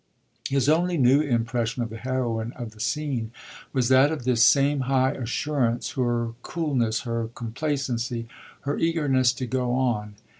His only new impression of the heroine of the scene was that of this same high assurance her coolness, her complacency, her eagerness to go on.